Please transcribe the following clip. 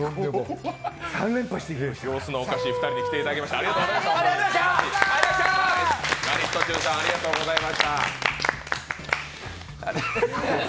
様子のおかしい２人に来ていただきました。